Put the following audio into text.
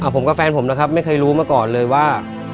ผมกับแฟนผมนะครับไม่เคยรู้มาก่อนเลยว่า